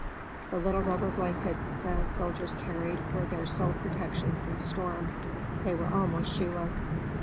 The little rubber blankets the soldiers carried were their sole protection from storm. They were almost shoeless.